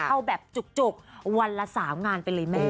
เข้าแบบจุกวันละ๓งานไปเลยแม่